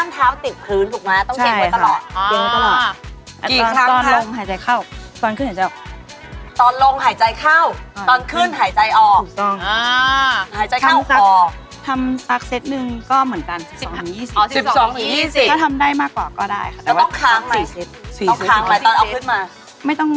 ตอนลงหายใจเข้าตอนขึ้นหายใจออก